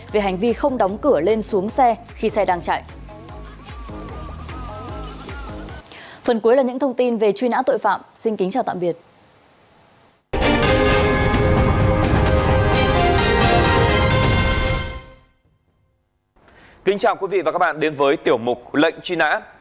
về hành vi không đóng cửa lên xuống xe khi xe đang chạy